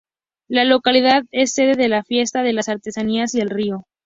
La localidad es sede de la Fiesta de las Artesanías y el Río.